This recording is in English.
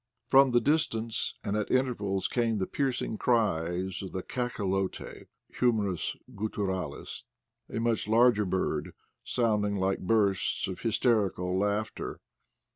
From the dis tance at intervals came the piercing cries of the cachalote (Homorus gutturalis) a much larger bird, sounding like bursts of hysterical laughter.